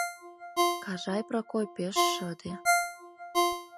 Кажай Прокой пеш шыде